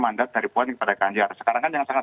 mandat dari puan kepada ganjar sekarang kan yang sangat